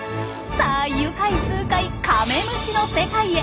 さあ愉快痛快カメムシの世界へ。